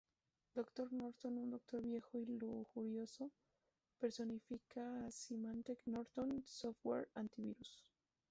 Doctor Norton, un doctor viejo y lujurioso, personifica a Symantec Norton, software Antivirus.